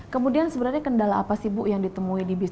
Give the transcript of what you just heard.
kemudian sebenarnya kendala apa sih bu yang ditemui di bisnis